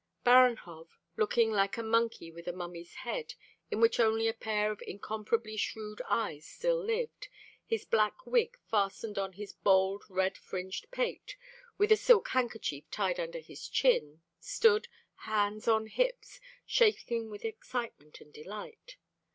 Baranhov, looking like a monkey with a mummy's head in which only a pair of incomparably shrewd eyes still lived, his black wig fastened on his bald, red fringed pate with a silk handkerchief tied under his chin, stood, hands on hips, shaking with excitement and delight.